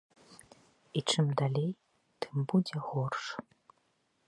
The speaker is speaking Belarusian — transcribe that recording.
І чым далей, тым будзе горш.